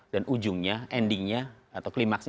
dan ujungnya endingnya atau klimaksnya